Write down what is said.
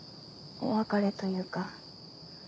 お別れというか。